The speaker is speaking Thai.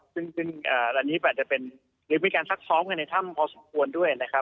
ก็จริงอันนี้แบบจะเป็นมีการทักซ้อมกันในถ้ำพอสมควรด้วยนะครับ